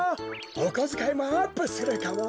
おこづかいもアップするかもな。